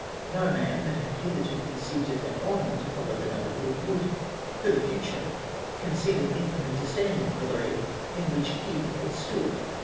No man, that had hitherto conceived it an honour to follow the noble Lord would, for the future, conceive it infamy to stand in the pil lory in which he had stood.